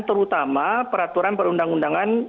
terutama peraturan perundang undangan